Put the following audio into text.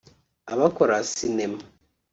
abakora sinema